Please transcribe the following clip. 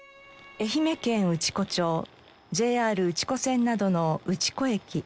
愛媛県内子町ＪＲ内子線などの内子駅。